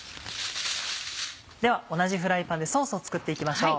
では同じフライパンでソースを作って行きましょう。